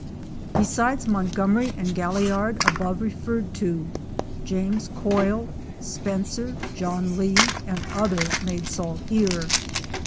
Besides Montgomery and Galliard above referred to, James Coyle, Spencer, John Lee, and other made salt here.